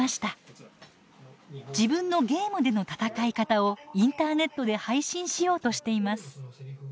自分のゲームでの戦い方をインターネットで配信しようとしています。